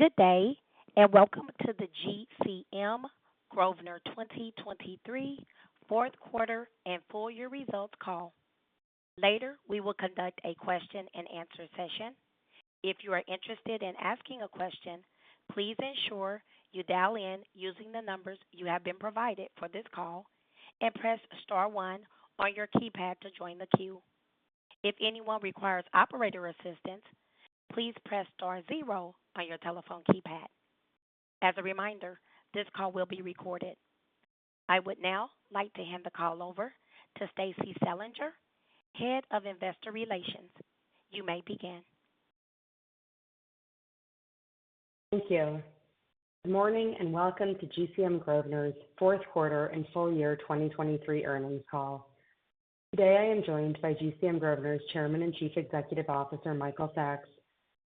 Good day, and welcome to the GCM Grosvenor 2023 fourth quarter and full year results call. Later, we will conduct a question-and-answer session. If you are interested in asking a question, please ensure you dial in using the numbers you have been provided for this call and press star one on your keypad to join the queue. If anyone requires operator assistance, please press star zero on your telephone keypad. As a reminder, this call will be recorded. I would now like to hand the call over to Stacie Selinger, Head of Investor Relations. You may begin. Thank you. Good morning, and welcome to GCM Grosvenor's fourth quarter and full year 2023 earnings call. Today, I am joined by GCM Grosvenor's Chairman and Chief Executive Officer, Michael Sacks,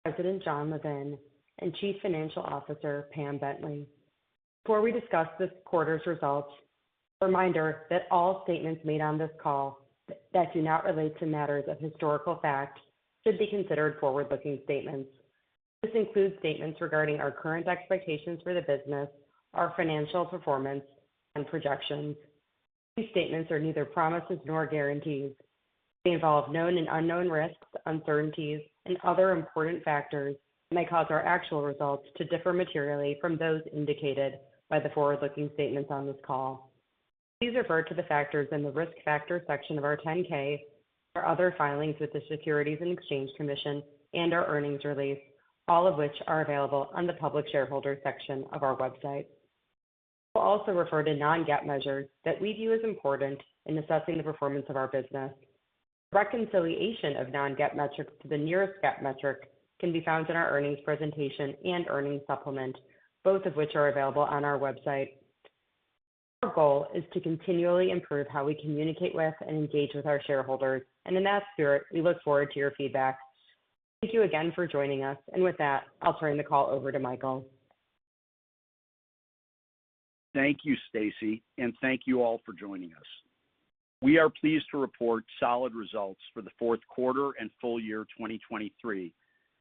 President Jonathan Levin, and Chief Financial Officer Pamela Bentley. Before we discuss this quarter's results, a reminder that all statements made on this call that do not relate to matters of historical fact should be considered forward-looking statements. This includes statements regarding our current expectations for the business, our financial performance, and projections. These statements are neither promises nor guarantees. They involve known and unknown risks, uncertainties, and other important factors that may cause our actual results to differ materially from those indicated by the forward-looking statements on this call. Please refer to the factors in the Risk Factors section of our 10-K, our other filings with the Securities and Exchange Commission, and our earnings release, all of which are available on the Public Shareholders section of our website. We'll also refer to non-GAAP measures that we view as important in assessing the performance of our business. Reconciliation of non-GAAP metrics to the nearest GAAP metric can be found in our earnings presentation and earnings supplement, both of which are available on our website. Our goal is to continually improve how we communicate with and engage with our shareholders, and in that spirit, we look forward to your feedback. Thank you again for joining us, and with that, I'll turn the call over to Michael. Thank you, Stacie, and thank you all for joining us. We are pleased to report solid results for the fourth quarter and full year 2023,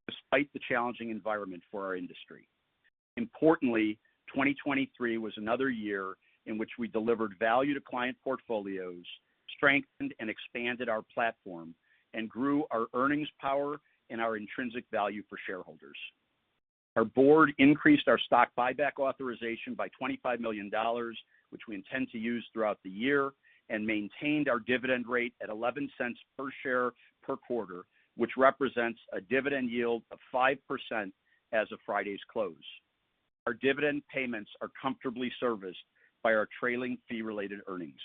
despite the challenging environment for our industry. Importantly, 2023 was another year in which we delivered value to client portfolios, strengthened and expanded our platform, and grew our earnings power and our intrinsic value for shareholders. Our board increased our stock buyback authorization by $25 million, which we intend to use throughout the year, and maintained our dividend rate at 11 cents per share per quarter, which represents a dividend yield of 5% as of Friday's close. Our dividend payments are comfortably serviced by our trailing fee-related earnings.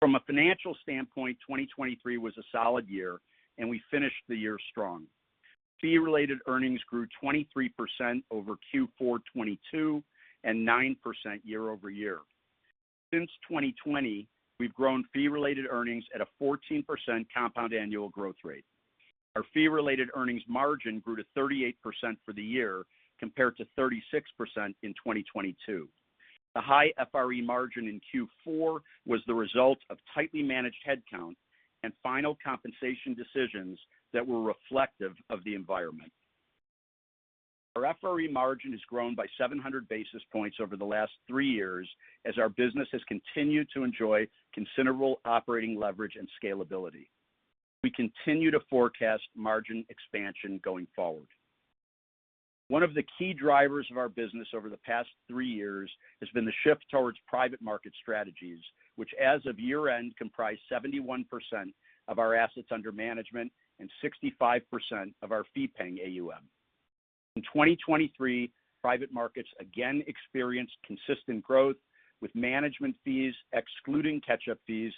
From a financial standpoint, 2023 was a solid year, and we finished the year strong. Fee-related earnings grew 23% over Q4 2022 and 9% year-over-year. Since 2020, we've grown Fee-Related Earnings at a 14% compound annual growth rate. Our Fee-Related Earnings margin grew to 38% for the year, compared to 36% in 2022. The high FRE margin in Q4 was the result of tightly managed headcount and final compensation decisions that were reflective of the environment. Our FRE margin has grown by 700 basis points over the last three years as our business has continued to enjoy considerable operating leverage and scalability. We continue to forecast margin expansion going forward. One of the key drivers of our business over the past three years has been the shift towards private market strategies, which as of year-end, comprise 71% of our Assets Under Management and 65% of our Fee-Paying AUM. In 2023, private markets again experienced consistent growth, with management fees excluding catch-up fees,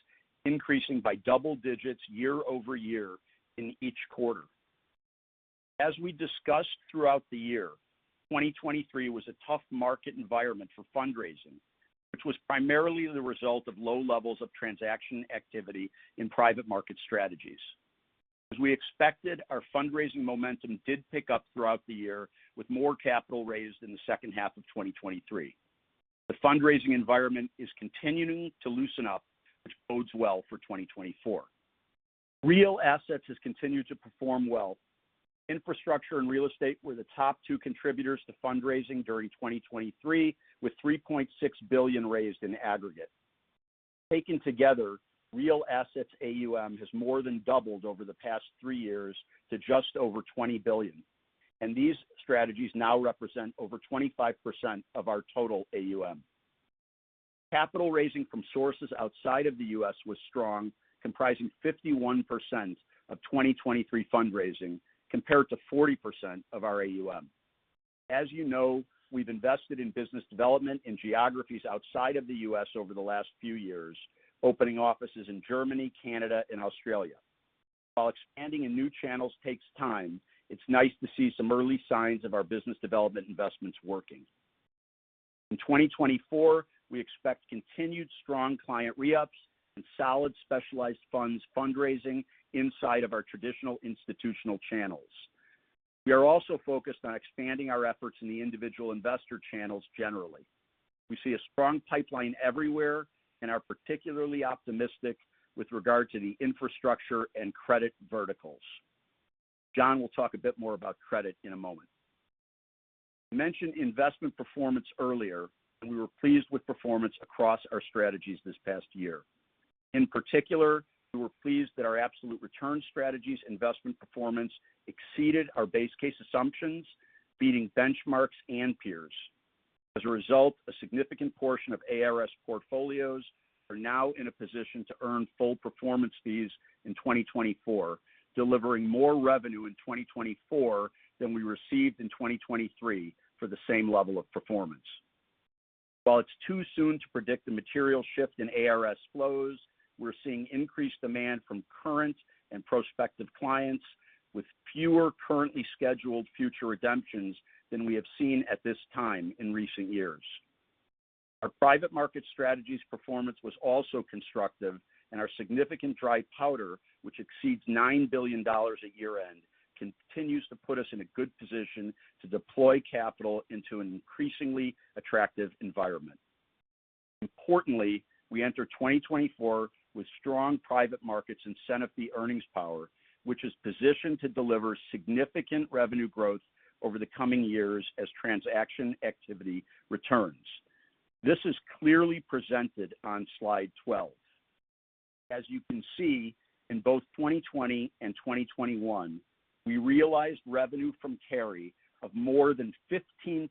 increasing by double digits year-over-year in each quarter. As we discussed throughout the year, 2023 was a tough market environment for fundraising, which was primarily the result of low levels of transaction activity in private market strategies. As we expected, our fundraising momentum did pick up throughout the year, with more capital raised in the second half of 2023. The fundraising environment is continuing to loosen up, which bodes well for 2024. Real assets has continued to perform well. Infrastructure and real estate were the top two contributors to fundraising during 2023, with $3.6 billion raised in aggregate. Taken together, real assets AUM has more than doubled over the past three years to just over $20 billion, and these strategies now represent over 25% of our total AUM. Capital raising from sources outside of the U.S. was strong, comprising 51% of 2023 fundraising, compared to 40% of our AUM. As you know, we've invested in business development in geographies outside of the U.S. over the last few years, opening offices in Germany, Canada, and Australia. While expanding in new channels takes time, it's nice to see some early signs of our business development investments working. In 2024, we expect continued strong client re-ups and solid specialized funds fundraising inside of our traditional institutional channels. We are also focused on expanding our efforts in the individual investor channels generally. We see a strong pipeline everywhere and are particularly optimistic with regard to the infrastructure and credit verticals. John will talk a bit more about credit in a moment. I mentioned investment performance earlier, and we were pleased with performance across our strategies this past year. In particular, we were pleased that our Absolute Return Strategies investment performance exceeded our base case assumptions, beating benchmarks and peers. As a result, a significant portion of ARS portfolios are now in a position to earn full performance fees in 2024, delivering more revenue in 2024 than we received in 2023 for the same level of performance. While it's too soon to predict the material shift in ARS flows, we're seeing increased demand from current and prospective clients, with fewer currently scheduled future redemptions than we have seen at this time in recent years. Our private market strategies performance was also constructive, and our significant dry powder, which exceeds $9 billion at year-end, continues to put us in a good position to deploy capital into an increasingly attractive environment. Importantly, we enter 2024 with strong private markets incentive fee earnings power, which is positioned to deliver significant revenue growth over the coming years as transaction activity returns. This is clearly presented on slide 12. As you can see, in both 2020 and 2021, we realized revenue from carry of more than 15%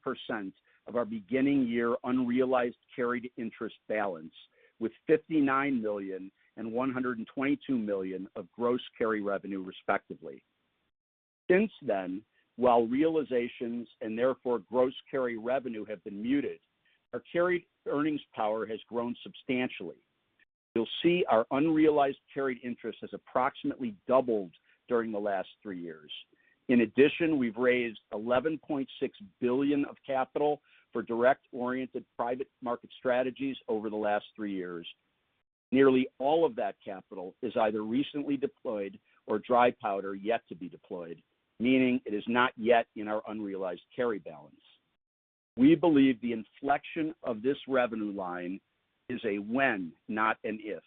of our beginning year unrealized carried interest balance, with $59 million and $122 million of gross carry revenue, respectively. Since then, while realizations and therefore gross carry revenue have been muted, our carry earnings power has grown substantially. You'll see our unrealized carried interest has approximately doubled during the last three years. In addition, we've raised $11.6 billion of capital for direct-oriented private market strategies over the last three years. Nearly all of that capital is either recently deployed or dry powder yet to be deployed, meaning it is not yet in our unrealized carry balance. We believe the inflection of this revenue line is a when, not an if,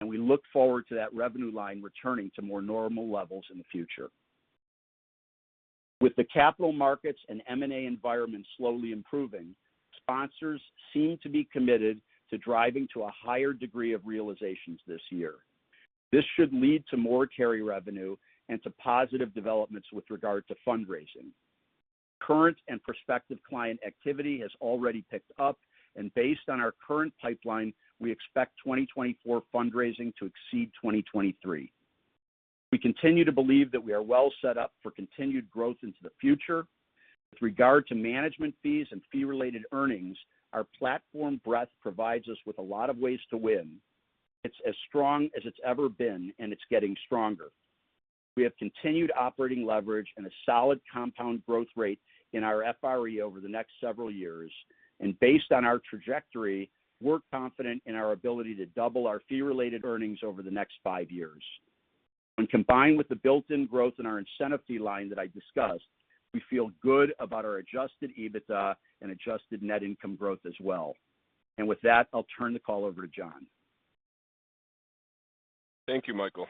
and we look forward to that revenue line returning to more normal levels in the future. With the capital markets and M&A environment slowly improving, sponsors seem to be committed to driving to a higher degree of realizations this year. This should lead to more carry revenue and to positive developments with regard to fundraising. Current and prospective client activity has already picked up, and based on our current pipeline, we expect 2024 fundraising to exceed 2023. We continue to believe that we are well set up for continued growth into the future. With regard to management fees and fee-related earnings, our platform breadth provides us with a lot of ways to win. It's as strong as it's ever been, and it's getting stronger. We have continued operating leverage and a solid compound growth rate in our FRE over the next several years, and based on our trajectory, we're confident in our ability to double our fee-related earnings over the next five years. When combined with the built-in growth in our incentive fee line that I discussed, we feel good about our Adjusted EBITDA and Adjusted Net Income growth as well. And with that, I'll turn the call over to John. Thank you, Michael.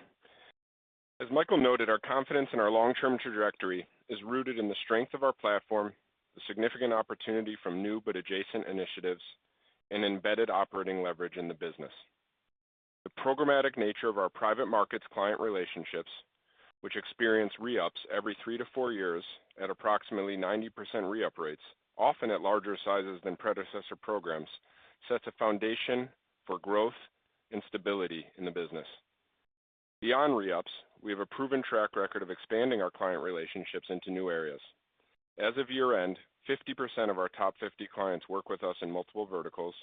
As Michael noted, our confidence in our long-term trajectory is rooted in the strength of our platform, the significant opportunity from new but adjacent initiatives, and embedded operating leverage in the business. The programmatic nature of our private markets client relationships, which experience re-ups every 3-4 years at approximately 90% re-up rates, often at larger sizes than predecessor programs, sets a foundation for growth and stability in the business. Beyond re-ups, we have a proven track record of expanding our client relationships into new areas. As of year-end, 50% of our top 50 clients work with us in multiple verticals,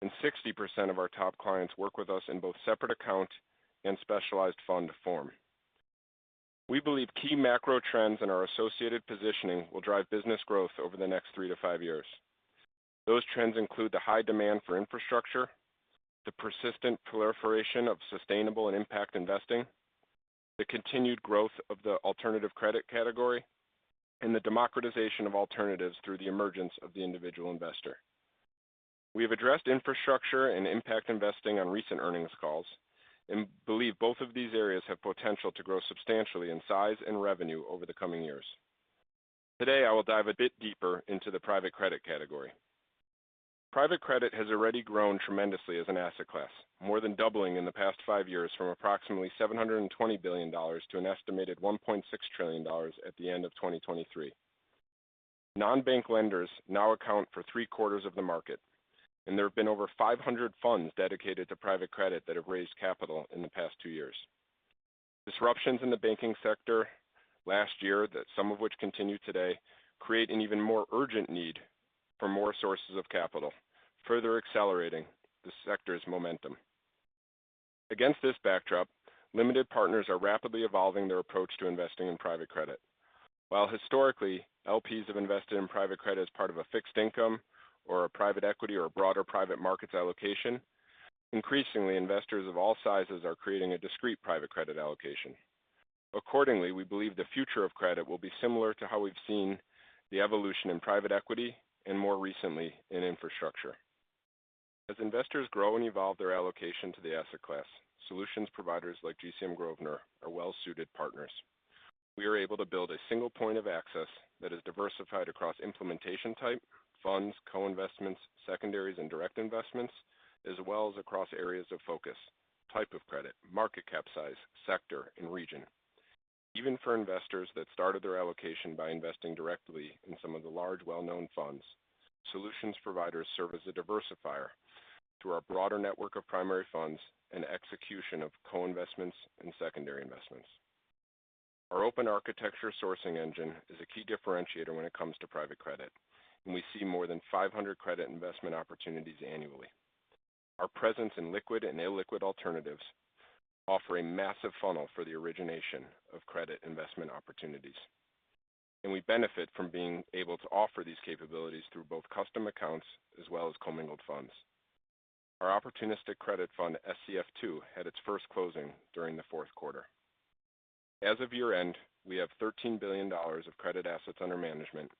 and 60% of our top clients work with us in both separate account and specialized fund form. We believe key macro trends and our associated positioning will drive business growth over the next 3-5 years. Those trends include the high demand for infrastructure, the persistent proliferation of sustainable and impact investing, the continued growth of the alternative credit category, and the democratization of alternatives through the emergence of the individual investor. We have addressed infrastructure and impact investing on recent earnings calls and believe both of these areas have potential to grow substantially in size and revenue over the coming years. Today, I will dive a bit deeper into the private credit category. Private credit has already grown tremendously as an asset class, more than doubling in the past five years from approximately $720 billion to an estimated $1.6 trillion at the end of 2023. Non-bank lenders now account for three-quarters of the market, and there have been over 500 funds dedicated to private credit that have raised capital in the past two years. Disruptions in the banking sector last year, that some of which continue today, create an even more urgent need for more sources of capital, further accelerating the sector's momentum. Against this backdrop, limited partners are rapidly evolving their approach to investing in private credit. While historically, LPs have invested in private credit as part of a fixed income or a private equity or a broader private markets allocation, increasingly, investors of all sizes are creating a discrete private credit allocation.... Accordingly, we believe the future of credit will be similar to how we've seen the evolution in private equity and more recently, in infrastructure. As investors grow and evolve their allocation to the asset class, solutions providers like GCM Grosvenor are well-suited partners. We are able to build a single point of access that is diversified across implementation type, funds, co-investments, secondaries, and direct investments, as well as across areas of focus, type of credit, market cap size, sector, and region. Even for investors that started their allocation by investing directly in some of the large, well-known funds, solutions providers serve as a diversifier through our broader network of primary funds and execution of co-investments and secondary investments. Our open architecture sourcing engine is a key differentiator when it comes to private credit, and we see more than 500 credit investment opportunities annually. Our presence in liquid and illiquid alternatives offer a massive funnel for the origination of credit investment opportunities, and we benefit from being able to offer these capabilities through both custom accounts as well as commingled funds. Our opportunistic credit fund, SCF II, had its first closing during the fourth quarter. As of year-end, we have $13 billion of credit assets under management,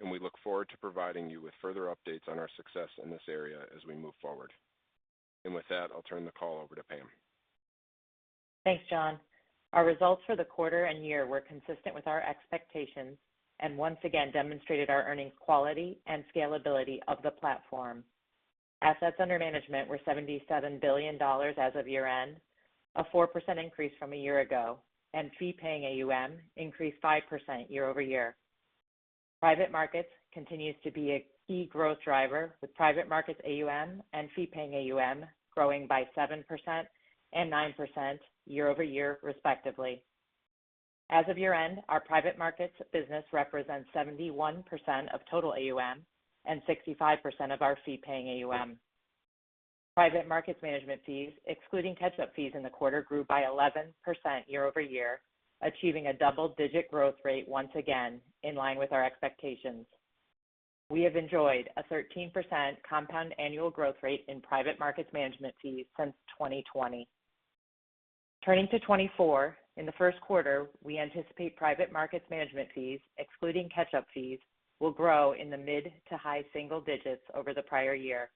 and we look forward to providing you with further updates on our success in this area as we move forward. And with that, I'll turn the call over to Pam. Thanks, John. Our results for the quarter and year were consistent with our expectations, and once again demonstrated our earnings quality and scalability of the platform. Assets under management were $77 billion as of year-end, a 4% increase from a year ago, and fee-paying AUM increased 5% year over year. Private markets continues to be a key growth driver, with private markets AUM and fee-paying AUM growing by 7% and 9% year over year, respectively. As of year-end, our private markets business represents 71% of total AUM and 65% of our fee-paying AUM. Private markets management fees, excluding catch-up fees in the quarter, grew by 11% year over year, achieving a double-digit growth rate once again, in line with our expectations. We have enjoyed a 13% compound annual growth rate in private markets management fees since 2020. Turning to 2024, in the first quarter, we anticipate private markets management fees, excluding catch-up fees, will grow in the mid- to high-single digits over the prior year.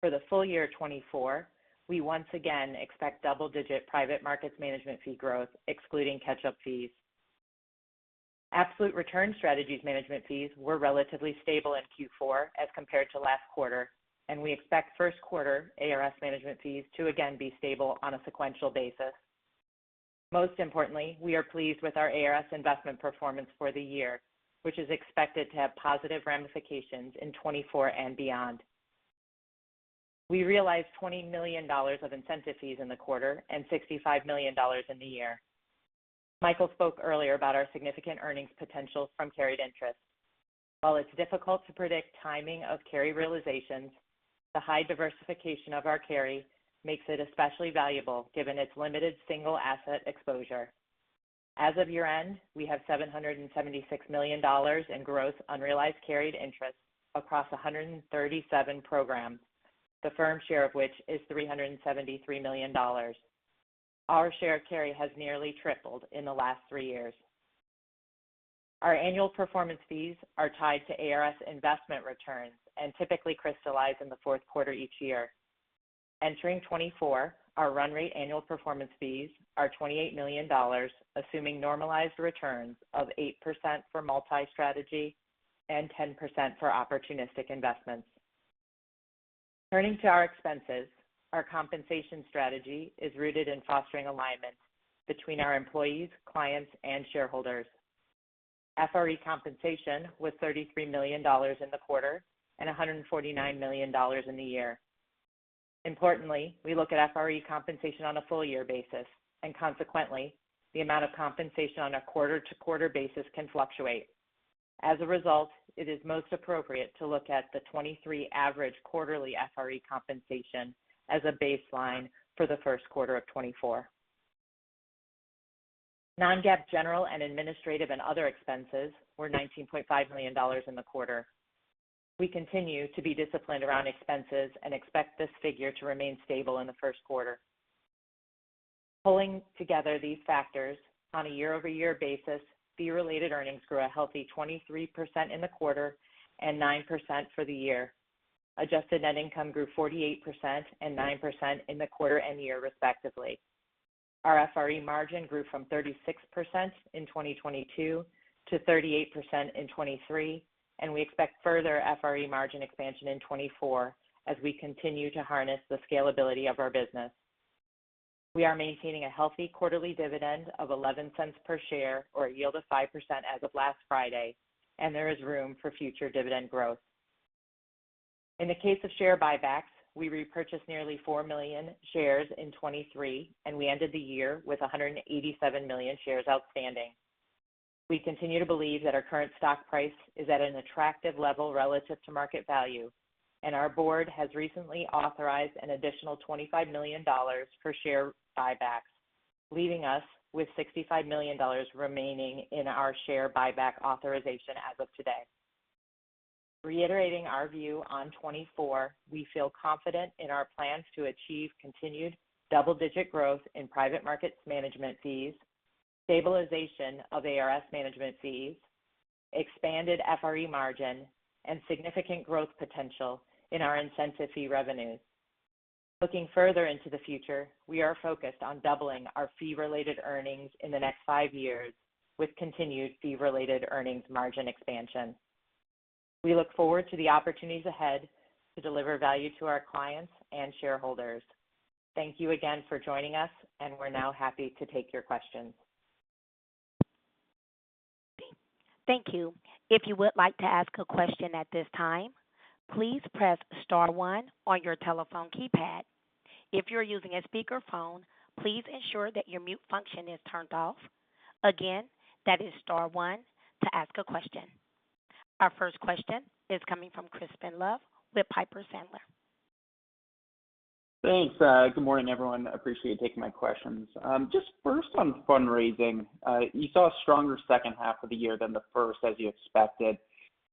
For the full year 2024, we once again expect double-digit private markets management fee growth, excluding catch-up fees. Absolute return strategies management fees were relatively stable in Q4 as compared to last quarter, and we expect first quarter ARS management fees to again be stable on a sequential basis. Most importantly, we are pleased with our ARS investment performance for the year, which is expected to have positive ramifications in 2024 and beyond. We realized $20 million of incentive fees in the quarter and $65 million in the year. Michael spoke earlier about our significant earnings potential from carried interest. While it's difficult to predict timing of carry realizations, the high diversification of our carry makes it especially valuable, given its limited single asset exposure. As of year-end, we have $776 million in gross unrealized carried interest across 137 programs, the firm share of which is $373 million. Our share of carry has nearly tripled in the last three years. Our annual performance fees are tied to ARS investment returns and typically crystallize in the fourth quarter each year. Entering 2024, our run rate annual performance fees are $28 million, assuming normalized returns of 8% for multi-strategy and 10% for opportunistic investments. Turning to our expenses, our compensation strategy is rooted in fostering alignment between our employees, clients, and shareholders. FRE compensation was $33 million in the quarter and $149 million in the year. Importantly, we look at FRE compensation on a full year basis, and consequently, the amount of compensation on a quarter-to-quarter basis can fluctuate. As a result, it is most appropriate to look at the 2023 average quarterly FRE compensation as a baseline for the first quarter of 2024. Non-GAAP, general and administrative and other expenses were $19.5 million in the quarter. We continue to be disciplined around expenses and expect this figure to remain stable in the first quarter. Pulling together these factors on a year-over-year basis, fee-related earnings grew a healthy 23% in the quarter and 9% for the year. Adjusted net income grew 48% and 9% in the quarter and year, respectively. Our FRE margin grew from 36% in 2022 to 38% in 2023, and we expect further FRE margin expansion in 2024 as we continue to harness the scalability of our business. We are maintaining a healthy quarterly dividend of $0.11 per share, or a yield of 5% as of last Friday, and there is room for future dividend growth. In the case of share buybacks, we repurchased nearly 4 million shares in 2023, and we ended the year with 187 million shares outstanding. We continue to believe that our current stock price is at an attractive level relative to market value, and our board has recently authorized an additional $25 million for share buybacks, leaving us with $65 million remaining in our share buyback authorization as of today. Reiterating our view on 2024, we feel confident in our plans to achieve continued double-digit growth in private markets management fees, stabilization of ARS management fees, expanded FRE margin, and significant growth potential in our incentive fee revenues. Looking further into the future, we are focused on doubling our fee-related earnings in the next five years, with continued fee-related earnings margin expansion. We look forward to the opportunities ahead to deliver value to our clients and shareholders. Thank you again for joining us, and we're now happy to take your questions. Thank you. If you would like to ask a question at this time, please press star one on your telephone keypad. If you're using a speakerphone, please ensure that your mute function is turned off. Again, that is star one to ask a question. Our first question is coming from Crispin Love with Piper Sandler. Thanks. Good morning, everyone. Appreciate you taking my questions. Just first on fundraising. You saw a stronger second half of the year than the first, as you expected,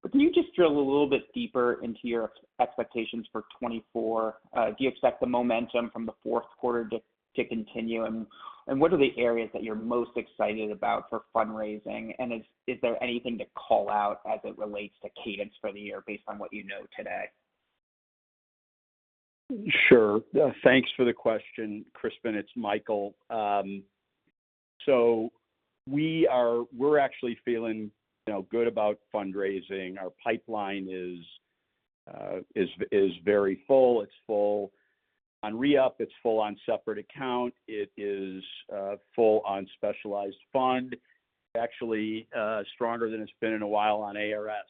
but can you just drill a little bit deeper into your expectations for 2024? Do you expect the momentum from the fourth quarter to continue, and what are the areas that you're most excited about for fundraising? And is there anything to call out as it relates to cadence for the year based on what you know today? Sure. Thanks for the question, Crispin. It's Michael. So we are-- we're actually feeling, you know, good about fundraising. Our pipeline is, is very full. It's full on re-up, it's full on separate account. It is full on specialized fund, actually, stronger than it's been in a while on ARS.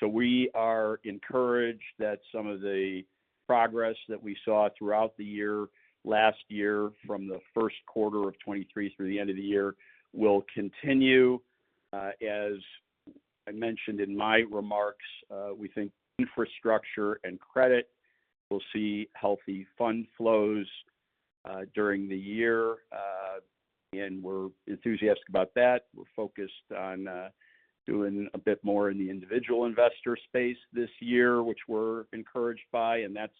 So we are encouraged that some of the progress that we saw throughout the year, last year, from the first quarter of 2023 through the end of the year, will continue. As I mentioned in my remarks, we think infrastructure and credit will see healthy fund flows, during the year, and we're enthusiastic about that. We're focused on doing a bit more in the individual investor space this year, which we're encouraged by, and that's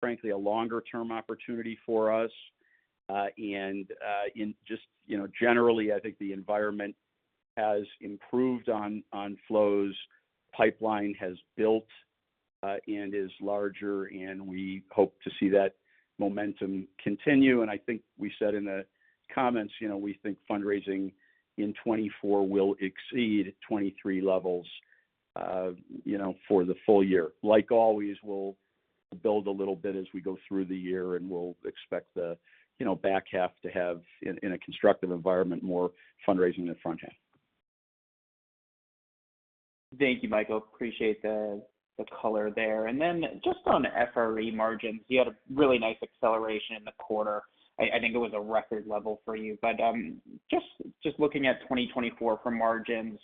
frankly a longer-term opportunity for us. And in just, you know, generally, I think the environment has improved on flows. Pipeline has built, and is larger, and we hope to see that momentum continue. I think we said in the comments, you know, we think fundraising in 2024 will exceed 2023 levels, you know, for the full year. Like always, we'll build a little bit as we go through the year, and we'll expect the, you know, back half to have, in a constructive environment, more fundraising than front half. Thank you, Michael. Appreciate the color there. And then just on FRE margins, you had a really nice acceleration in the quarter. I think it was a record level for you, but just looking at 2024 for margins,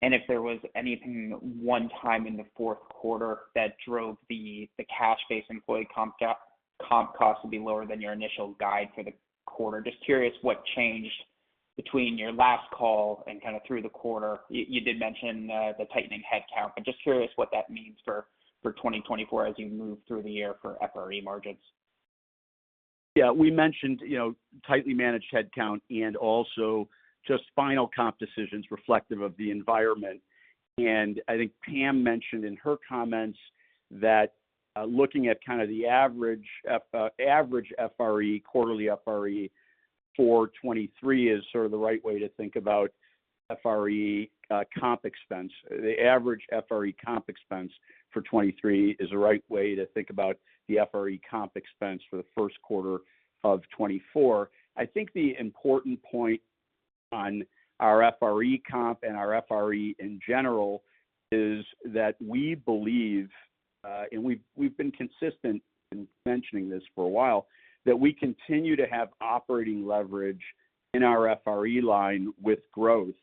and if there was anything one-time in the fourth quarter that drove the cash-based employee comp costs to be lower than your initial guide for the quarter. Just curious what changed between your last call and kind of through the quarter. You did mention the tightening headcount, but just curious what that means for 2024 as you move through the year for FRE margins. Yeah, we mentioned, you know, tightly managed headcount and also just final comp decisions reflective of the environment. And I think Pam mentioned in her comments that looking at kind of the average, average FRE, quarterly FRE for 2023 is sort of the right way to think about FRE, comp expense. The average FRE comp expense for 2023 is the right way to think about the FRE comp expense for the first quarter of 2024. I think the important point on our FRE comp and our FRE in general is that we believe, and we've, we've been consistent in mentioning this for a while, that we continue to have operating leverage in our FRE line with growth,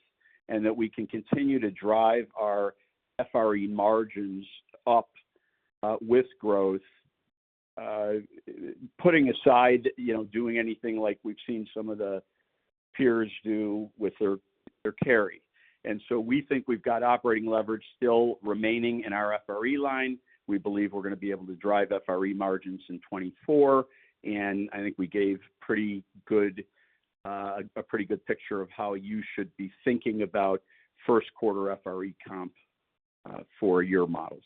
and that we can continue to drive our FRE margins up, with growth. Putting aside, you know, doing anything like we've seen some of the peers do with their, their carry. So we think we've got operating leverage still remaining in our FRE line. We believe we're going to be able to drive FRE margins in 2024, and I think we gave pretty good, a pretty good picture of how you should be thinking about first quarter FRE comp, for your models.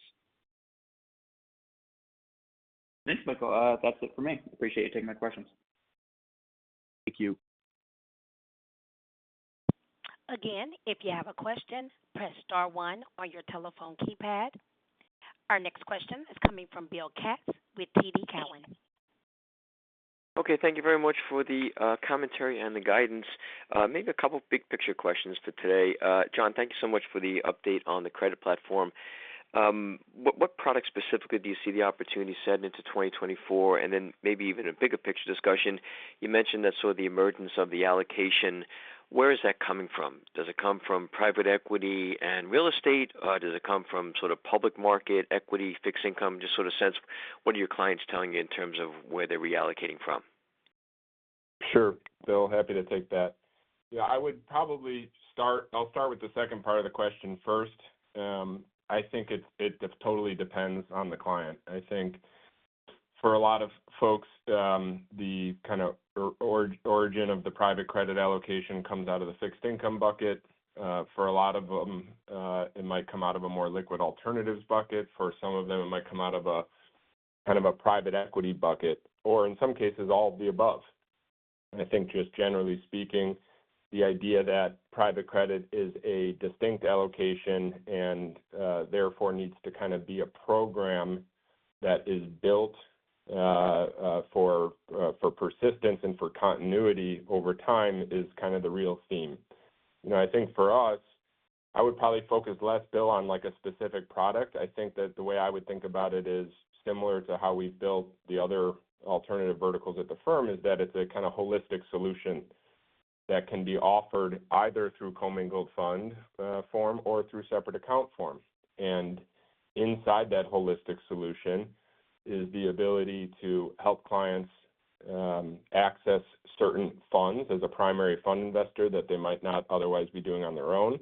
Thanks, Michael. That's it for me. Appreciate you taking my questions. Thank you. Again, if you have a question, press star one on your telephone keypad. Our next question is coming from Bill Katz with TD Cowen. Okay, thank you very much for the, commentary and the guidance. Maybe a couple of big-picture questions for today. John, thank you so much for the update on the credit platform. What, what products specifically do you see the opportunity setting into 2024? And then maybe even a bigger picture discussion. You mentioned that sort of the emergence of the allocation. Where is that coming from? Does it come from private equity and real estate, or does it come from sort of public market equity, fixed income? Just sort of sense, what are your clients telling you in terms of where they're reallocating from?... Sure, Bill, happy to take that. Yeah, I would probably start, I'll start with the second part of the question first. I think it totally depends on the client. I think for a lot of folks, the kind of origin of the Private Credit allocation comes out of the fixed income bucket. For a lot of them, it might come out of a more liquid alternatives bucket. For some of them, it might come out of a kind of a private equity bucket, or in some cases, all of the above. I think just generally speaking, the idea that Private Credit is a distinct allocation and therefore needs to kind of be a program that is built for persistence and for continuity over time is kind of the real theme. You know, I think for us, I would probably focus less, Bill, on like a specific product. I think that the way I would think about it is similar to how we've built the other alternative verticals at the firm, is that it's a kind of holistic solution that can be offered either through commingled fund form or through separate account form. And inside that holistic solution is the ability to help clients access certain funds as a primary fund investor that they might not otherwise be doing on their own.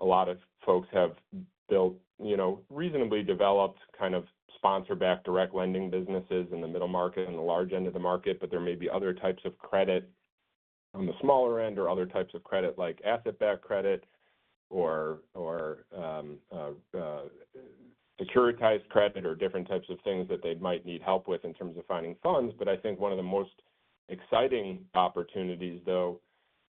A lot of folks have built, you know, reasonably developed, kind of sponsor-backed, direct lending businesses in the middle market and the large end of the market, but there may be other types of credit on the smaller end or other types of credit, like asset-backed credit or securitized credit or different types of things that they might need help with in terms of finding funds. But I think one of the most exciting opportunities, though,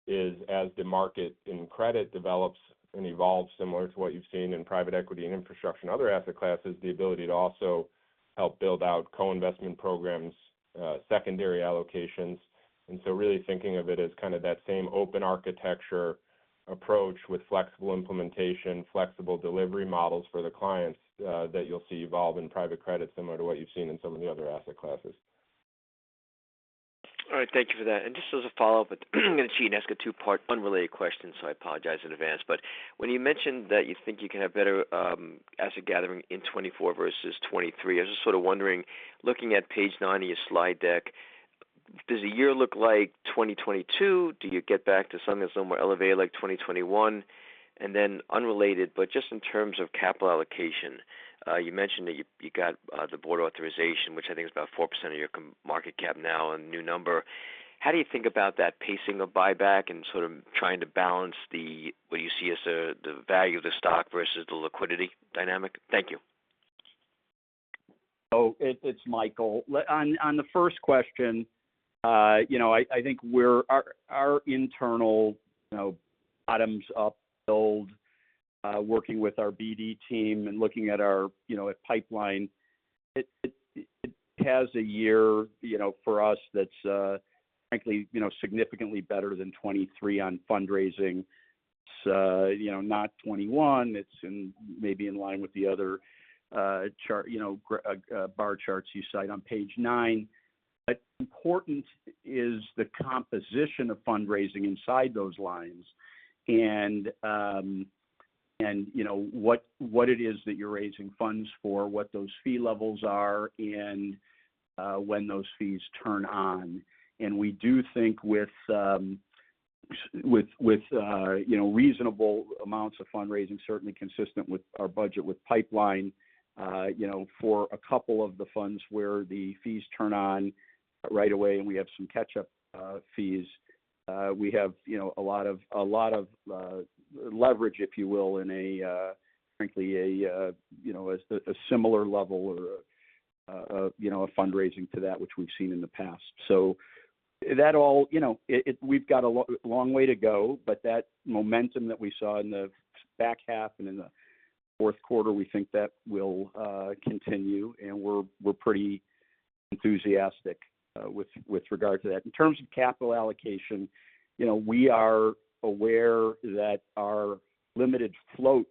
is as the market in credit develops and evolves, similar to what you've seen in private equity and infrastructure and other asset classes, the ability to also help build out co-investment programs, secondary allocations. So really thinking of it as kind of that same open architecture approach with flexible implementation, flexible delivery models for the clients, that you'll see evolve in private credit, similar to what you've seen in some of the other asset classes. All right. Thank you for that. And just as a follow-up, but I'm going to ask a two-part, unrelated question, so I apologize in advance. But when you mentioned that you think you can have better asset gathering in 2024 versus 2023, I was just sort of wondering, looking at page 90 of your slide deck, does a year look like 2022? Do you get back to something that's more elevated, like 2021? And then unrelated, but just in terms of capital allocation, you mentioned that you got the board authorization, which I think is about 4% of your market cap now and new number. How do you think about that pacing of buyback and sort of trying to balance what you see as the value of the stock versus the liquidity dynamic? Thank you. Oh, it's Michael. Let me on the first question, you know, I think we're our internal, you know, bottoms-up build, working with our BD team and looking at our, you know, at pipeline, it has a year, you know, for us that's, frankly, you know, significantly better than 2023 on fundraising. It's, you know, not 2021. It's in, maybe in line with the other, chart, you know, bar charts you cite on page 9. But important is the composition of fundraising inside those lines and, and you know, what, what it is that you're raising funds for, what those fee levels are, and, when those fees turn on. And we do think with reasonable amounts of fundraising, certainly consistent with our budget, with pipeline, you know, for a couple of the funds where the fees turn on right away and we have some catch-up fees, we have, you know, a lot of leverage, if you will, in a frankly a similar level or, you know, a fundraising to that which we've seen in the past. So that all, you know, it. We've got a long way to go, but that momentum that we saw in the back half and in the fourth quarter, we think that will continue, and we're pretty enthusiastic with regard to that. In terms of capital allocation, you know, we are aware that our limited float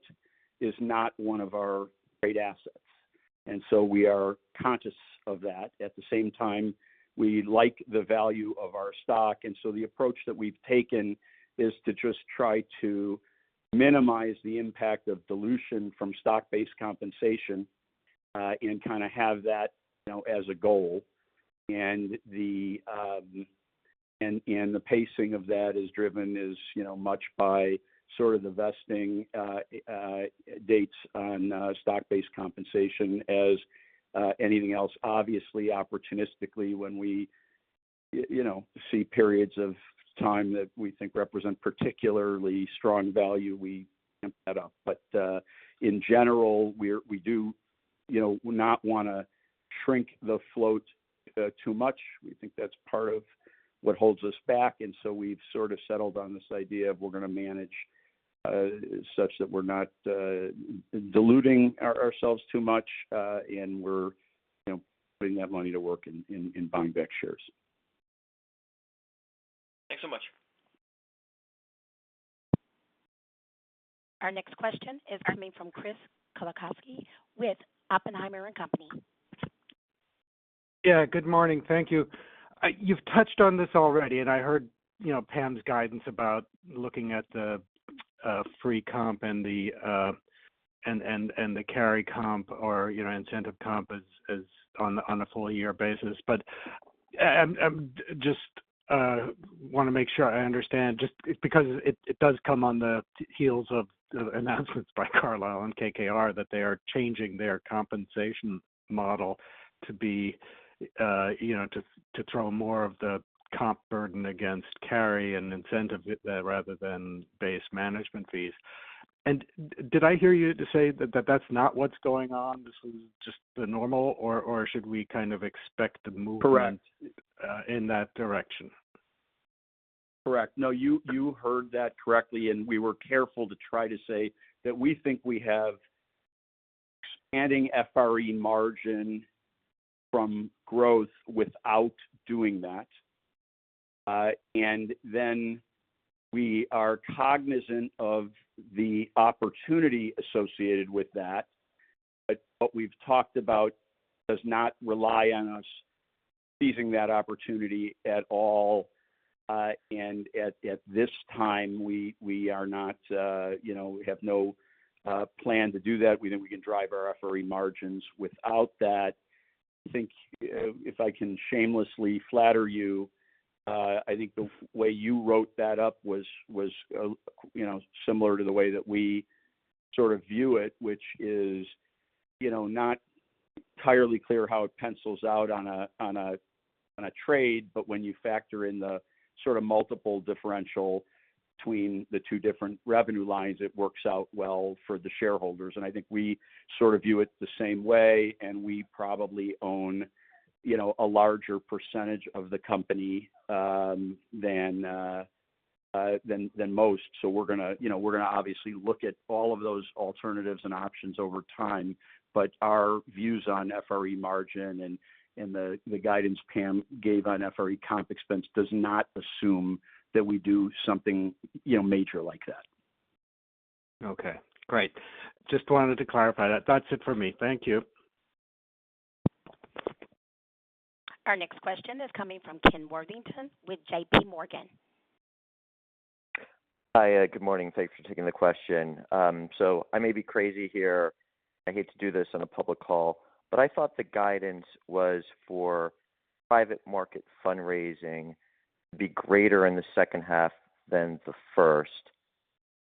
is not one of our great assets, and so we are conscious of that. At the same time, we like the value of our stock, and so the approach that we've taken is to just try to minimize the impact of dilution from stock-based compensation, and kind of have that, you know, as a goal. And the pacing of that is driven as, you know, much by sort of the vesting dates on stock-based compensation as anything else. Obviously, opportunistically, when we you know see periods of time that we think represent particularly strong value, we ramp that up. But in general, we're you know not wanna shrink the float too much. We think that's part of what holds us back, and so we've sort of settled on this idea of we're gonna manage such that we're not diluting ourselves too much, and we're, you know, putting that money to work in buying back shares. Thanks so much. Our next question is coming from Chris Kotowski with Oppenheimer & Co. Yeah, good morning. Thank you. You've touched on this already, and I heard, you know, Pam's guidance about looking at the free comp and the carry comp or, you know, incentive comp is on a full year basis. But just want to make sure I understand, just because it does come on the heels of the announcements by Carlyle and KKR, that they are changing their compensation model to be, you know, to throw more of the comp burden against carry and incentive rather than base management fees. And did I hear you to say that that's not what's going on, this is just the normal, or should we kind of expect a movement- Correct. - in that direction? Correct. No, you heard that correctly, and we were careful to try to say that we think we have expanding FRE margin from growth without doing that. And then we are cognizant of the opportunity associated with that. But what we've talked about does not rely on us seizing that opportunity at all. And at this time, we are not, you know, we have no plan to do that. We think we can drive our FRE margins without that. I think, if I can shamelessly flatter you, I think the way you wrote that up was, you know, similar to the way that we sort of view it, which is, you know, not entirely clear how it pencils out on a trade. But when you factor in the sort of multiple differential between the two different revenue lines, it works out well for the shareholders. And I think we sort of view it the same way, and we probably own, you know, a larger percentage of the company than most. So we're gonna, you know, we're gonna obviously look at all of those alternatives and options over time, but our views on FRE margin and the guidance Pam gave on FRE comp expense does not assume that we do something, you know, major like that. Okay, great. Just wanted to clarify that. That's it for me. Thank you. Our next question is coming from Ken Worthington with J.P. Morgan. Hi, good morning. Thanks for taking the question. So I may be crazy here. I hate to do this on a public call, but I thought the guidance was for private market fundraising to be greater in the second half than the first,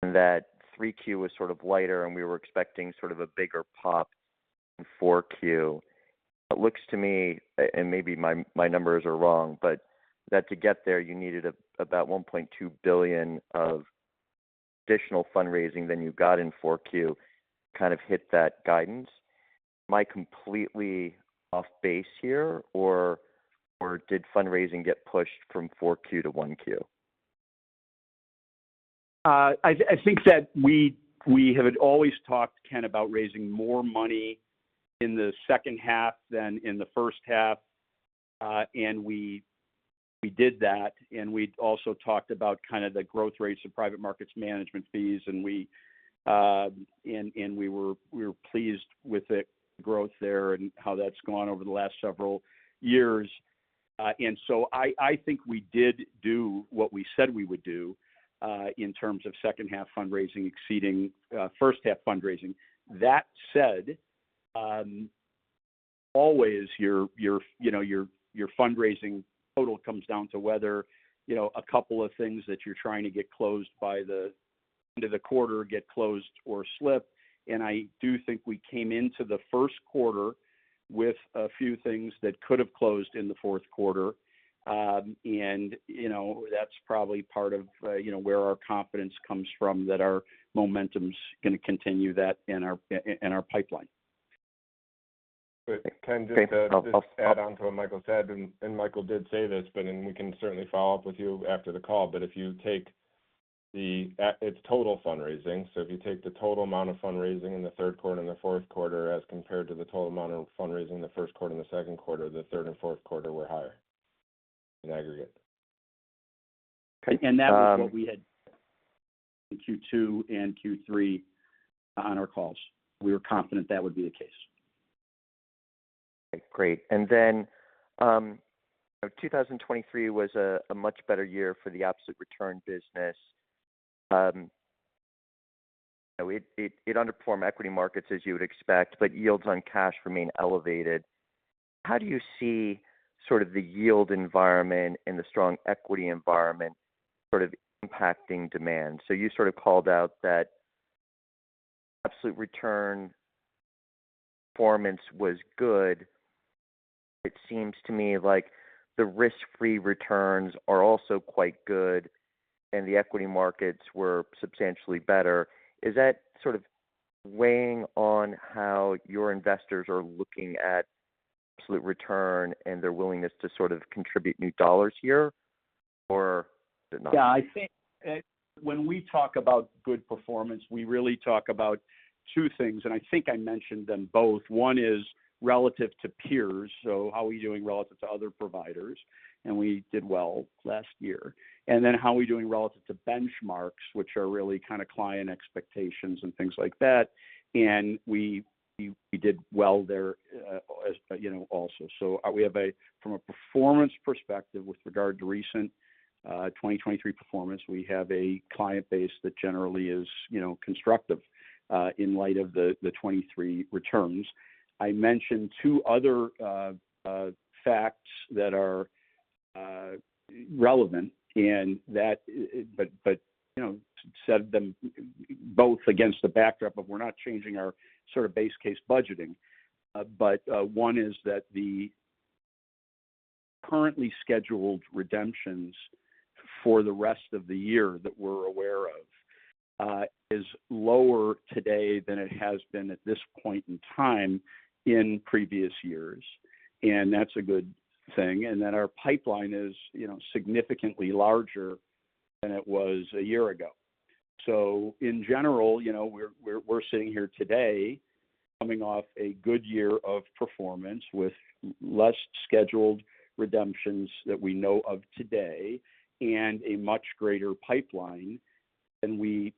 and that 3Q was sort of lighter, and we were expecting sort of a bigger pop in 4Q. It looks to me, and maybe my, my numbers are wrong, but that to get there, you needed about $1.2 billion of additional fundraising than you got in 4Q, kind of hit that guidance. Am I completely off base here, or, or did fundraising get pushed from 4Q to 1Q? I think that we have had always talked, Ken, about raising more money in the second half than in the first half. And we did that, and we also talked about kind of the growth rates of private markets management fees, and we were pleased with the growth there and how that's gone over the last several years. And so I think we did do what we said we would do in terms of second half fundraising exceeding first half fundraising. That said, always, your fundraising total comes down to whether, you know, a couple of things that you're trying to get closed by the end of the quarter get closed or slip. And I do think we came into the first quarter with a few things that could have closed in the fourth quarter. And, you know, that's probably part of, you know, where our confidence comes from, that our momentum's gonna continue that in our pipeline. But Ken, just to add on to what Michael said, and Michael did say this, but then we can certainly follow up with you after the call. But if you take the its total fundraising, so if you take the total amount of fundraising in the third quarter and the fourth quarter, as compared to the total amount of fundraising in the first quarter and the second quarter, the third and fourth quarter were higher in aggregate. Okay, um- That was what we had in Q2 and Q3 on our calls. We were confident that would be the case. Great. And then, 2023 was a much better year for the absolute return business. It underperformed equity markets, as you would expect, but yields on cash remain elevated. How do you see sort of the yield environment and the strong equity environment sort of impacting demand? So you sort of called out that absolute return performance was good. It seems to me like the risk-free returns are also quite good, and the equity markets were substantially better. Is that sort of weighing on how your investors are looking at absolute return and their willingness to sort of contribute new dollars here, or did not? Yeah, I think, when we talk about good performance, we really talk about two things, and I think I mentioned them both. One is relative to peers, so how are we doing relative to other providers? We did well last year. Then, how are we doing relative to benchmarks, which are really kind of client expectations and things like that, and we did well there, as you know, also. So we have, from a performance perspective with regard to 2023 performance, a client base that generally is, you know, constructive, in light of the 2023 returns. I mentioned two other facts that are relevant and that, but you know, set them both against the backdrop of we're not changing our sort of base case budgeting. But one is that the currently scheduled redemptions for the rest of the year that we're aware of is lower today than it has been at this point in time in previous years, and that's a good thing. Then our pipeline is, you know, significantly larger than it was a year ago. So in general, you know, we're sitting here today coming off a good year of performance with less scheduled redemptions that we know of today, and a much greater pipeline than we,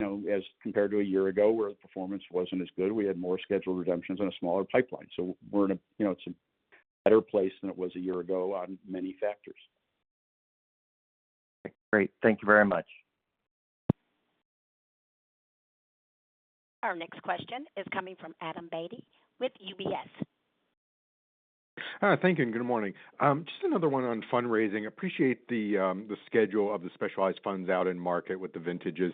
you know, as compared to a year ago, where the performance wasn't as good. We had more scheduled redemptions and a smaller pipeline. So we're in a... You know, it's a better place than it was a year ago on many factors. Great. Thank you very much. Our next question is coming from Adam Beatty with UBS. Thank you, and good morning. Just another one on fundraising. Appreciate the schedule of the specialized funds out in market with the vintages.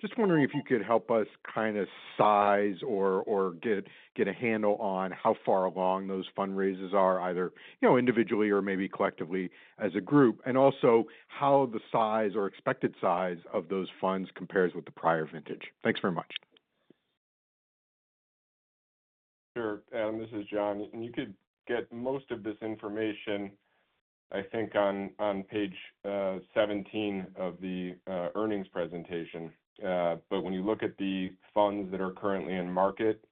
Just wondering if you could help us kind of size or get a handle on how far along those fundraisers are, either, you know, individually or maybe collectively as a group, and also how the size or expected size of those funds compares with the prior vintage. Thanks very much. Sure, Adam, this is John. You could get most of this information, I think, on page 17 of the earnings presentation. But when you look at the funds that are currently in market,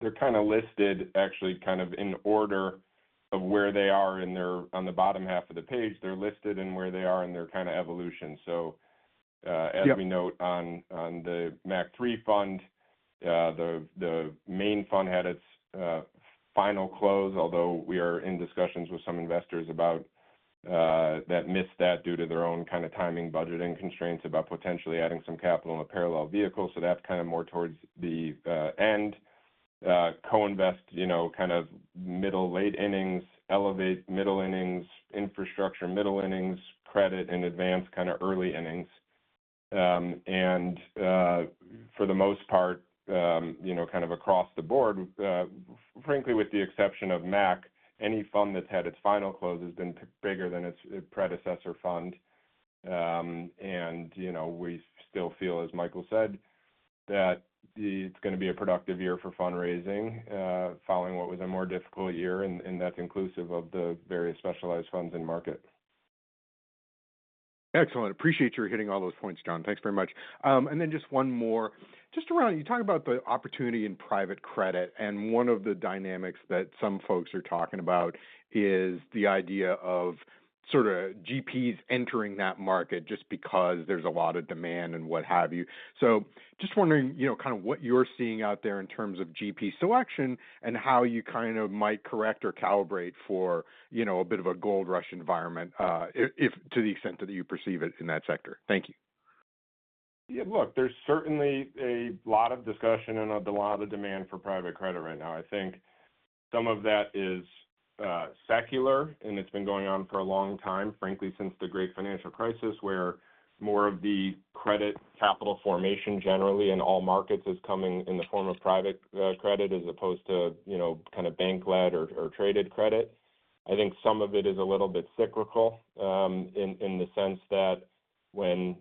they're kind of listed, actually, kind of in order of where they are in their - on the bottom half of the page, they're listed and where they are in their kind of evolution. So, Yep. As we note on the MAC III fund, the main fund had its final close, although we are in discussions with some investors about that missed that due to their own kind of timing, budgeting constraints, about potentially adding some capital in a parallel vehicle. So that's kind of more towards the end, co-invest, you know, kind of middle, late innings, Elevate middle innings, Infrastructure, middle innings, Credit and advance kind of early innings. And, for the most part, you know, kind of across the board, frankly, with the exception of MAC, any fund that's had its final close has been bigger than its predecessor fund. You know, we still feel, as Michael said, that it's going to be a productive year for fundraising, following what was a more difficult year, and that's inclusive of the various specialized funds in market. Excellent. Appreciate your hitting all those points, John. Thanks very much. And then just one more, just around, you talk about the opportunity in private credit, and one of the dynamics that some folks are talking about is the idea of sort of GPs entering that market just because there's a lot of demand and what have you. So just wondering, you know, kind of what you're seeing out there in terms of GP selection and how you kind of might correct or calibrate for, you know, a bit of a gold rush environment, if to the extent that you perceive it in that sector. Thank you. Yeah, look, there's certainly a lot of discussion and a lot of demand for private credit right now. I think some of that is secular, and it's been going on for a long time, frankly, since the great financial crisis, where more of the credit capital formation generally in all markets is coming in the form of private credit, as opposed to, you know, kind of bank-led or traded credit. I think some of it is a little bit cyclical in the sense that when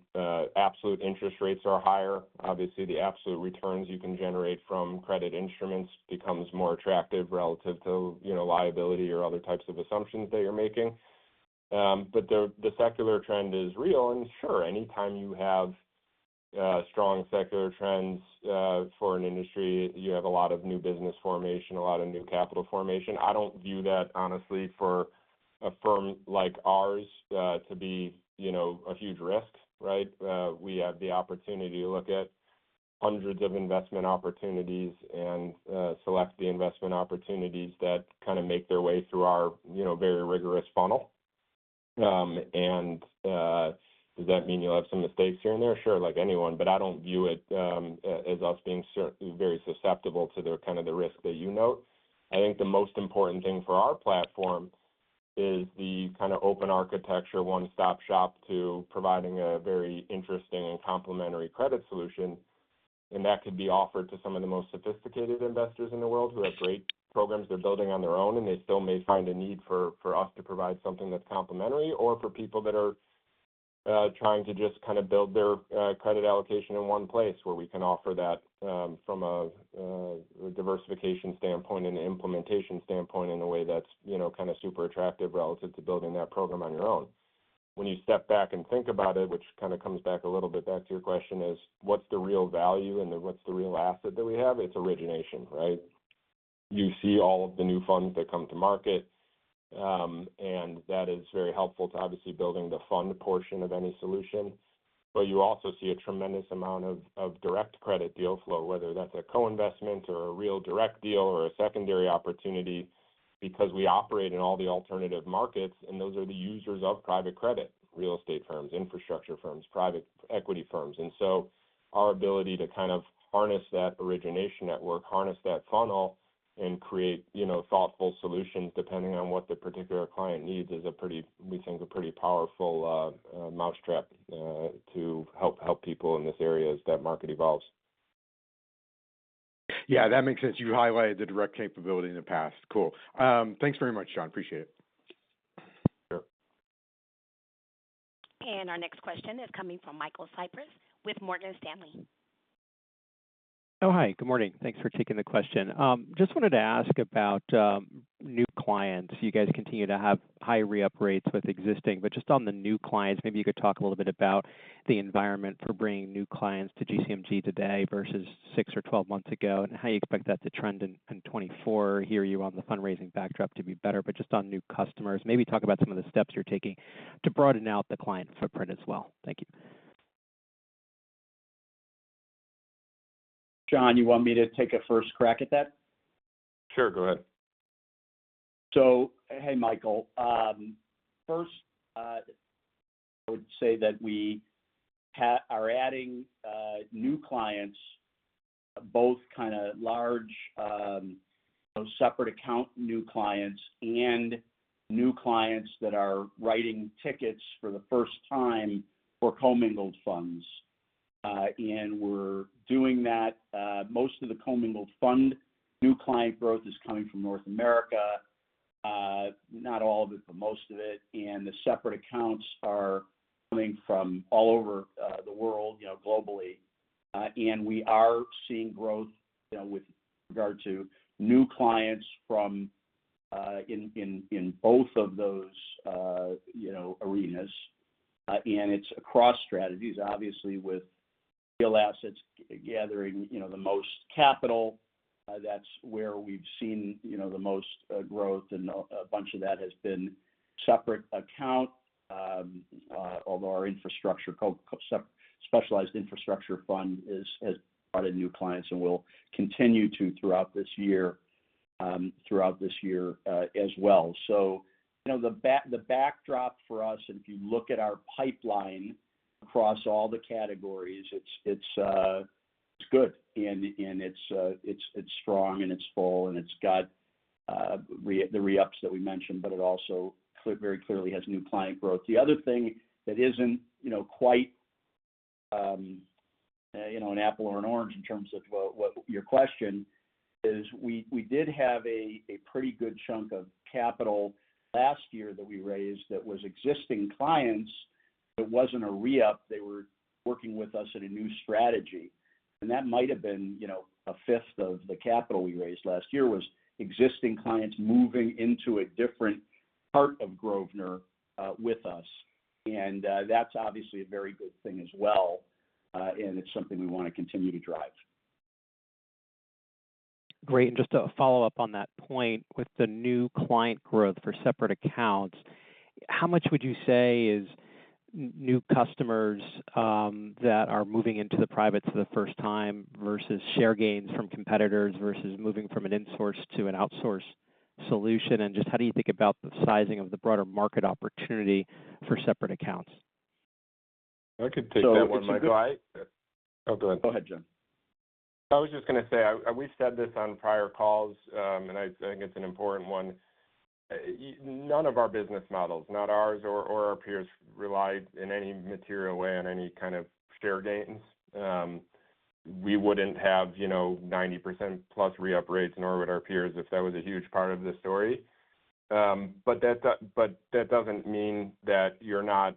absolute interest rates are higher, obviously the absolute returns you can generate from credit instruments becomes more attractive relative to, you know, liability or other types of assumptions that you're making. But the secular trend is real. Sure, anytime you have strong secular trends for an industry, you have a lot of new business formation, a lot of new capital formation. I don't view that, honestly, for a firm like ours to be, you know, a huge risk, right? We have the opportunity to look at hundreds of investment opportunities and select the investment opportunities that kind of make their way through our, you know, very rigorous funnel. Does that mean you'll have some mistakes here and there? Sure, like anyone, but I don't view it as us being very susceptible to the kind of the risk that you note. I think the most important thing for our platform is the kind of open architecture, one-stop shop to providing a very interesting and complementary credit solution, and that could be offered to some of the most sophisticated investors in the world who have great programs they're building on their own, and they still may find a need for, for us to provide something that's complementary, or for people that are trying to just kind of build their credit allocation in one place, where we can offer that from a diversification standpoint and an implementation standpoint in a way that's, you know, kind of super attractive relative to building that program on your own. When you step back and think about it, which kind of comes back a little bit back to your question, is: What's the real value and what's the real asset that we have? It's origination, right? You see all of the new funds that come to market, and that is very helpful to obviously building the fund portion of any solution... but you also see a tremendous amount of direct credit deal flow, whether that's a co-investment or a real direct deal or a secondary opportunity, because we operate in all the alternative markets, and those are the users of private credit, real estate firms, infrastructure firms, private equity firms. And so our ability to kind of harness that origination network, harness that funnel, and create, you know, thoughtful solutions depending on what the particular client needs, is a pretty, we think, a pretty powerful mousetrap to help people in this area as that market evolves. Yeah, that makes sense. You've highlighted the direct capability in the past. Cool. Thanks very much, John. Appreciate it. Sure. Our next question is coming from Michael Cyprys with Morgan Stanley. Oh, hi, good morning. Thanks for taking the question. Just wanted to ask about new clients. You guys continue to have high re-up rates with existing, but just on the new clients, maybe you could talk a little bit about the environment for bringing new clients to GCMG today versus six or 12 months ago, and how you expect that to trend in 2024. I hear you on the fundraising backdrop to be better, but just on new customers, maybe talk about some of the steps you're taking to broaden out the client footprint as well. Thank you. John, you want me to take a first crack at that? Sure, go ahead. So, hey, Michael. First, I would say that we are adding new clients, both kind of large separate account new clients and new clients that are writing tickets for the first time for commingled funds. And we're doing that, most of the commingled fund new client growth is coming from North America, not all of it, but most of it. And the separate accounts are coming from all over the world, you know, globally. And we are seeing growth, you know, with regard to new clients from in both of those arenas. And it's across strategies, obviously, with real assets gathering, you know, the most capital, that's where we've seen, you know, the most growth. A bunch of that has been Separate Account, although our Infrastructure specialized Infrastructure fund has a lot of new clients and will continue to throughout this year, as well. So, you know, the backdrop for us, and if you look at our pipeline across all the categories, it's good, and it's strong and it's full, and it's got the re-ups that we mentioned, but it also very clearly has new client growth. The other thing that isn't, you know, quite an apple or an orange in terms of what your question is, we did have a pretty good chunk of capital last year that we raised that was existing clients, but wasn't a re-up. They were working with us in a new strategy, and that might have been, you know, a fifth of the capital we raised last year, was existing clients moving into a different part of Grosvenor, with us. And, that's obviously a very good thing as well, and it's something we want to continue to drive. Great. And just to follow up on that point, with the new client growth for separate accounts, how much would you say is new customers that are moving into the private for the first time versus share gains from competitors versus moving from an in-source to an outsource solution? And just how do you think about the sizing of the broader market opportunity for separate accounts? I could take that one, Michael. So- Oh, go ahead. Go ahead, John. I was just going to say, we've said this on prior calls, and I think it's an important one. None of our business models, not ours or our peers, rely in any material way on any kind of share gains. We wouldn't have, you know, 90%+ re-up rates, nor would our peers, if that was a huge part of the story. But that doesn't mean that you're not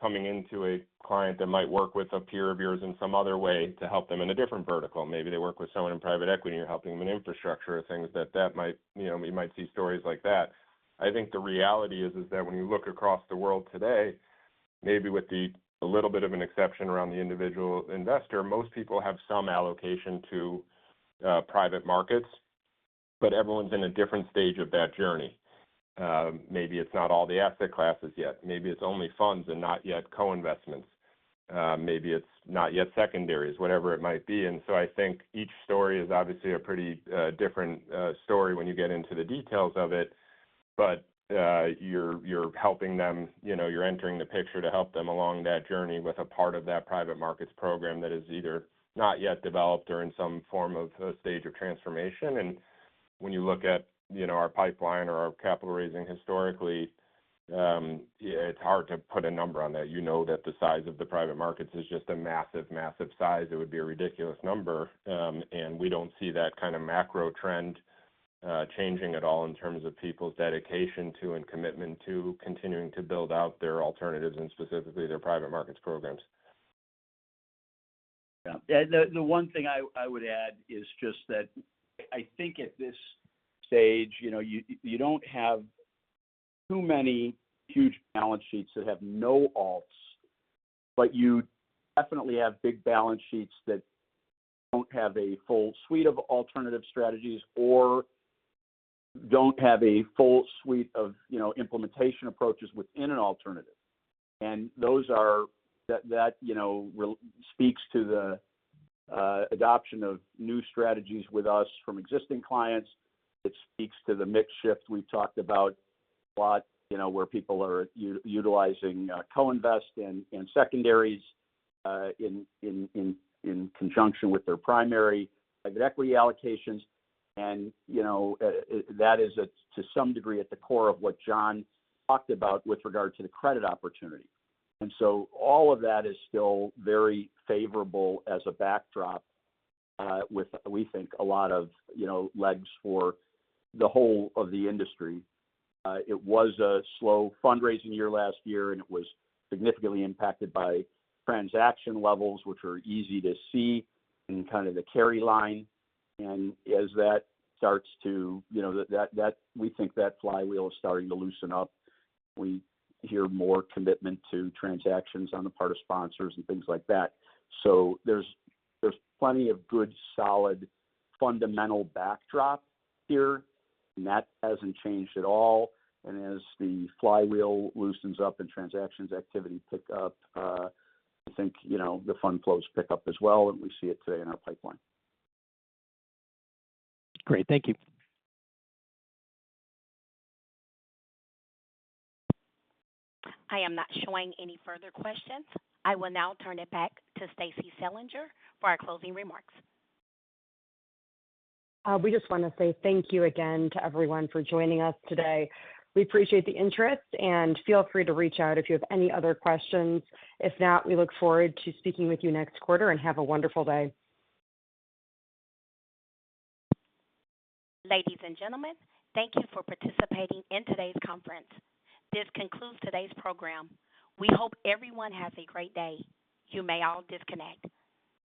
coming into a client that might work with a peer of yours in some other way to help them in a different vertical. Maybe they work with someone in private equity, and you're helping them in infrastructure or things that might, you know, we might see stories like that. I think the reality is, is that when you look across the world today, maybe with the, a little bit of an exception around the individual investor, most people have some allocation to, private markets, but everyone's in a different stage of that journey. Maybe it's not all the asset classes yet. Maybe it's only funds and not yet co-investments. Maybe it's not yet secondaries, whatever it might be. And so I think each story is obviously a pretty, different, story when you get into the details of it. But, you're, you're helping them... You know, you're entering the picture to help them along that journey with a part of that private markets program that is either not yet developed or in some form of a stage of transformation. When you look at, you know, our pipeline or our capital raising historically, it's hard to put a number on that. You know that the size of the private markets is just a massive, massive size. It would be a ridiculous number. And we don't see that kind of macro trend changing at all in terms of people's dedication to and commitment to continuing to build out their alternatives and specifically their private markets programs. Yeah. The one thing I would add is just that I think at this stage, you know, you don't have too many huge balance sheets that have no alts, but you definitely have big balance sheets that don't have a full suite of alternative strategies or don't have a full suite of, you know, implementation approaches within an alternative. And that, you know, speaks to the adoption of new strategies with us from existing clients. It speaks to the mix shift we've talked about a lot, you know, where people are utilizing co-invest in secondaries in conjunction with their primary private equity allocations. And, you know, that is, to some degree, at the core of what John talked about with regard to the credit opportunity. And so all of that is still very favorable as a backdrop, with we think a lot of, you know, legs for the whole of the industry. It was a slow fundraising year last year, and it was significantly impacted by transaction levels, which are easy to see in kind of the carry line. And as that starts to, you know, we think that flywheel is starting to loosen up. We hear more commitment to transactions on the part of sponsors and things like that. So there's plenty of good, solid, fundamental backdrop here, and that hasn't changed at all. And as the flywheel loosens up and transactions activity pick up, I think, you know, the fund flows pick up as well, and we see it today in our pipeline. Great. Thank you. I am not showing any further questions. I will now turn it back to Stacie Selinger for our closing remarks. We just want to say thank you again to everyone for joining us today. We appreciate the interest, and feel free to reach out if you have any other questions. If not, we look forward to speaking with you next quarter, and have a wonderful day. Ladies and gentlemen, thank you for participating in today's conference. This concludes today's program. We hope everyone has a great day. You may all disconnect.